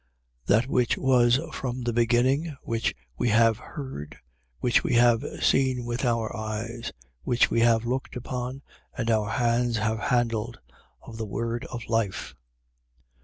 1:1. That which was from the beginning, which we have heard, which we have seen with our eyes, which we have looked upon and our hands have handled, of the word of life.